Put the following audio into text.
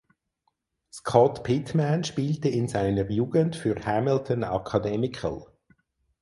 Scott Pittman spielte in seiner Jugend für Hamilton Academical.